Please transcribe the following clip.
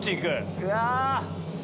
うわ。